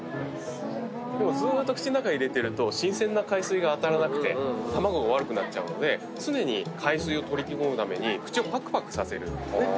でもずーっと口の中入れてると新鮮な海水が当たらなくて卵が悪くなっちゃうので常に海水を取り込むために口をパクパクさせるんですね。